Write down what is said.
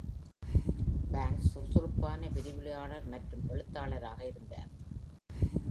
Banks சுறுசுறுப்பான விரிவுரையாளர் மற்றும் எழுத்தாளராக இருந்தார்.